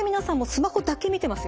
スマホだけ見てますよね。